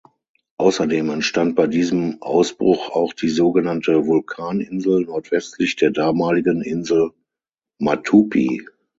Außerdem entstand bei diesem Ausbruch auch die sogenannte „Vulkaninsel“ nordwestlich der damaligen Insel Matupi.